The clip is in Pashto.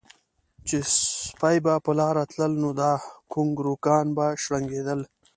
چې سپي به پۀ لاره تلل نو دا ګونګروګان به شړنګېدل